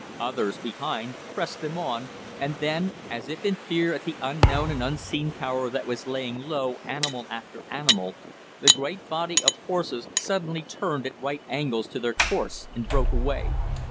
Others, behind, pressed them on, and then, as if in fear at the unknown and unseen power that was laying low animal after animal, the great body, of horses, suddenly turned at right angles to their course and broke away.